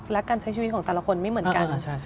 และการใช้ชีวิตของแต่ละคนไม่เหมือนกัน